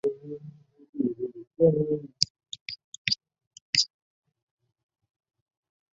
赫希斯塔特安德赖斯希是德国巴伐利亚州的一个市镇。